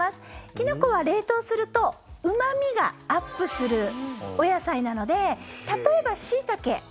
キノコは冷凍するとうま味がアップするお野菜なので例えばシイタケ